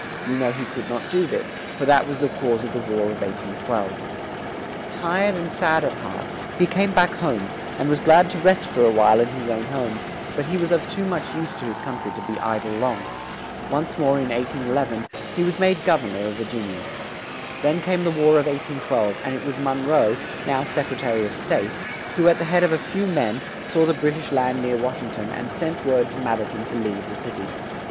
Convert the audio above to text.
You know he could not do this, for that was the cause of the War of 1812. Tired and sad at heart, he came back home, and was glad to rest for a while in his own home; but he was of too much use to his coun try to be i dle long. Once more, in 1811, he was made Gov ern or of Vir gin i a. Then came the War of 1812; and it was Mon roe, now Sec re ta ry of State, who, at the head of a few men, saw the Brit ish land near Wash ing ton and sent word to Mad i son to leave the cit y.